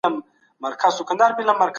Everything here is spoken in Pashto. هیوادونه چیري د قانون واکمني پیاوړي کوي؟